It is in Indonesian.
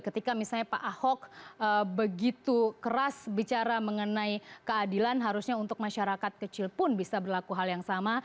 ketika misalnya pak ahok begitu keras bicara mengenai keadilan harusnya untuk masyarakat kecil pun bisa berlaku hal yang sama